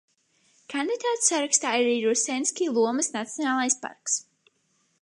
Kandidātu sarakstā ir arī Rusenski Lomas nacionālais parks.